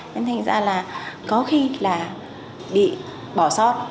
nên thành ra là có khi là bị bỏ sót